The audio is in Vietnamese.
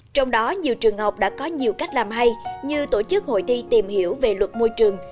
trong đó nhiều trường học đã có nhiều cách làm hay như tổ chức hội thi tìm hiểu về luật môi trường